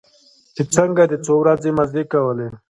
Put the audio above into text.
چې څنگه دې څو ورځې مزې کولې.